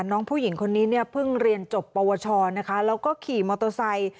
น้องผู้หญิงคนนี้เนี่ยเพิ่งเรียนจบปวชนะคะแล้วก็ขี่มอเตอร์ไซค์